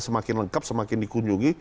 semakin lengkap semakin dikunjungi